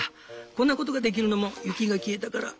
こんなことができるのも雪が消えたから。